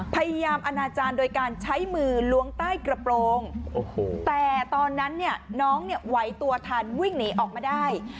พยายามอนาจารย์โดยการใช้มือล้วงใต้กระโปรงแต่ตอนนั้นน้องไหวตัวทันวิ่งหนีออกมาได้